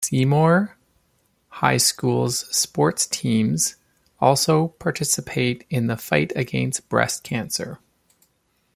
Seymour High School's sports teams also participate in the fight against breast cancer.